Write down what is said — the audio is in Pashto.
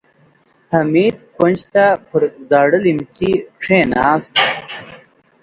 حميد کونج ته پر زاړه ليمڅي کېناست.